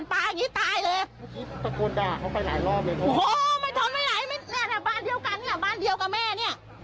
โอ้โหมันทนไปหลายบ้านเดียวกันเนี้ยบ้านเดียวกับแม่เนี้ย